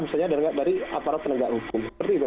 misalnya dari aparat penegak hukum